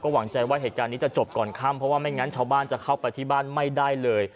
ก็หว่างใจว่าแห่งการนี้จะจบก่อนข้ามเพราะไม่งั้นชาวบ้านจะเข้ากับบริการไม่ได้เลย